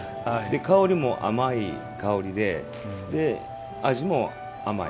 香りも甘い香りで味も甘い。